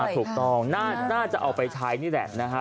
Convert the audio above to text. ถูกต้องน่าจะเอาไปใช้นี่แหละนะฮะ